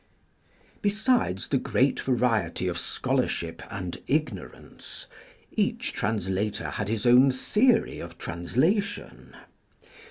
]3esides the great variety of scholarship and ignorance, each translator had his own theory of translation.